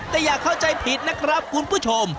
แต่อย่าเข้าใจผิดนะครับคุณผู้ชม